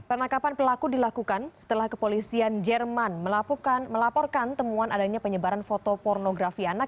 penangkapan pelaku dilakukan setelah kepolisian jerman melaporkan temuan adanya penyebaran foto pornografi anak